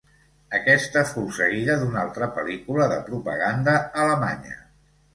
Aquesta fou seguida d'una altra pel·lícula de propaganda alemanya.